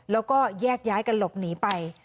แล้วก็แยกย้ายกันหลบหนีไป